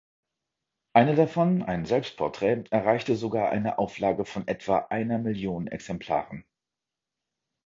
Eine davon, ein Selbstporträt, erreichte sogar eine Auflage von etwa einer Million Exemplaren.